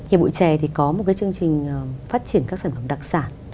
hiệp hội trèo thì có một chương trình phát triển các sản phẩm đặc sản